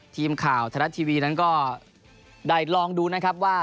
ทีมข่าวไทยรัฐทีวีนั้นก็ได้ลองดูนะครับว่า